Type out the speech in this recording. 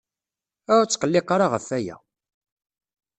Ah, ur tqelliq ara ɣef waya.